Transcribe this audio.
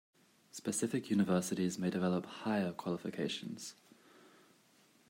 Specific universities may develop higher qualifications.